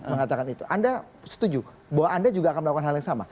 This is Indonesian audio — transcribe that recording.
mengatakan itu anda setuju bahwa anda juga akan melakukan hal yang sama